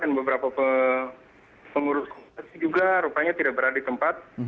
dan beberapa pengurus juga rupanya tidak berada di tempat